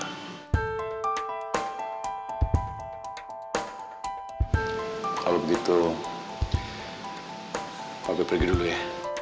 kalau begitu pakai pergi dulu ya